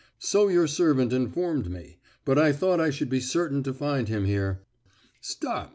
"So your servant informed me; but I thought I should be certain to find him here. Stop.